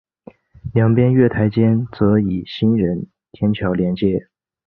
两边月台间则以行人天桥连接。